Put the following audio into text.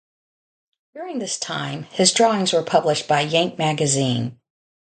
During this time, his drawings were published by "Yank" magazine.